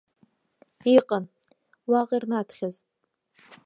Иҟан, уаҟа ирнаҭхьаз.